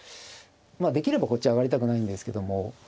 できればこっち上がりたくないんですけども。